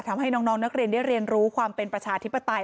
ทำให้น้องนักเรียนได้เรียนรู้ความเป็นประชาธิปไตย